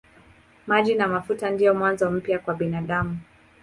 Maji na mafuta ndiyo mwanzo mpya kwa binadamu.